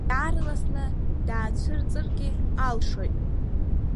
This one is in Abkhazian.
Иаарласны даацәырҵыргьы алшоит.